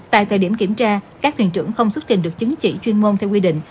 tại thời điểm kiểm tra các thuyền trưởng không xuất trình được chứng chỉ chuyên môn theo quy định